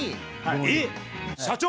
えっ⁉社長！